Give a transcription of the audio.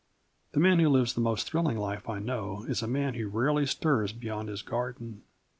The man who lives the most thrilling life I know is a man who rarely stirs beyond his garden.